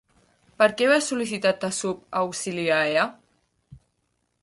Per què va sol·licitar Tessub auxili a Ea?